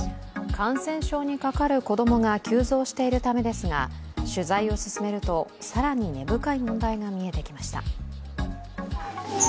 感染症にかかる子供が急増しているためですが取材を進めると、更に根深い問題が見えてきました。